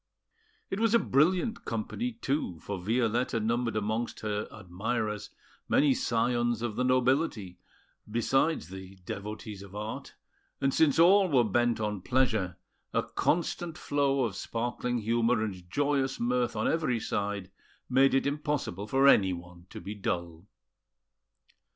It was a brilliant company, too, for Violetta numbered amongst her admirers many scions of the nobility, besides the devotees of art; and since all were bent on pleasure, a constant flow of sparkling humour and joyous mirth on every side made it impossible for anyone to be dull.